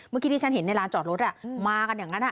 เมื่อกี้ที่ฉันเห็นในลานจอดรถมากันอย่างนั้น